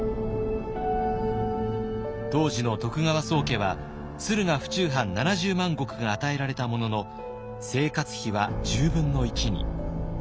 当時の徳川宗家は駿河府中藩７０万石が与えられたものの生活費は１０分の１に。